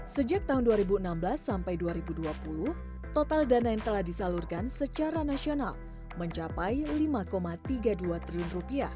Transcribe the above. sejak tahun dua ribu enam belas sampai dua ribu dua puluh total dana yang telah disalurkan secara nasional mencapai rp lima tiga puluh dua triliun